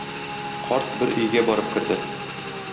Карт бер өйгә барып керде.